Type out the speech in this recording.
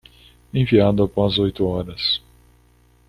Enviado após oito horas